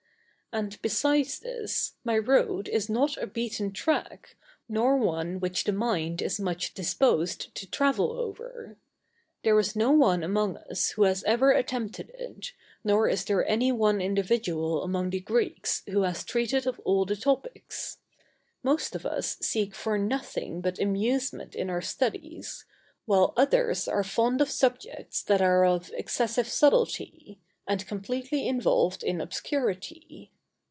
And, besides this, my road is not a beaten track, nor one which the mind is much disposed to travel over. There is no one among us who has ever attempted it, nor is there any one individual among the Greeks who has treated of all the topics. Most of us seek for nothing but amusement in our studies, while others are fond of subjects that are of excessive subtilty, and completely involved in obscurity.